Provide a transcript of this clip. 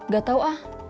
gak tau ah